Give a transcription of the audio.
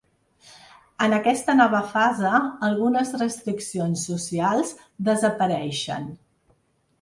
En aquesta nova fase, algunes restriccions socials desapareixen.